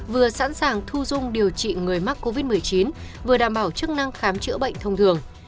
vừa sẵn sàng thu dung điều trị người mắc covid một mươi chín vừa đảm bảo chức năng khám chữa bệnh thông thường